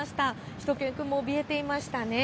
しゅと犬くんもおびえていました。